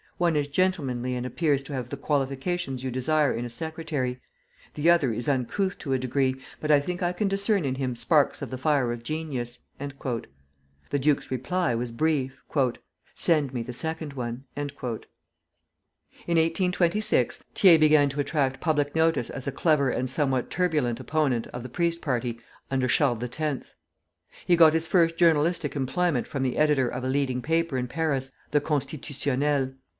One is gentlemanly and appears to have the qualifications you desire in a secretary; the other is uncouth to a degree, but I think I can discern in him sparks of the fire of genius." The duke's reply was brief: "Send me the second one." In 1826 Thiers began to attract public notice as a clever and somewhat turbulent opponent of the priest party under Charles X. He got his first journalistic employment from the editor of a leading paper in Paris, the "Constitutionnel."